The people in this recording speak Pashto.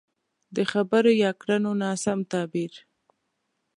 د خبرو يا کړنو ناسم تعبير.